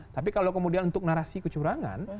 tapi kalau kemudian untuk narasi kecurangan